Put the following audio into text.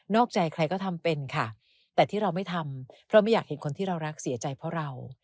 อกใจใครก็ทำเป็นค่ะแต่ที่เราไม่ทำเพราะไม่อยากเห็นคนที่เรารักเสียใจเพราะเรา